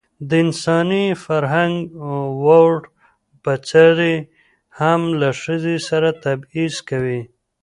د انساني فرهنګ ووړ بڅرى هم له ښځې سره تبعيض کوي.